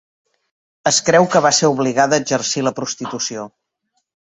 Es creu que va ser obligada a exercir la prostitució.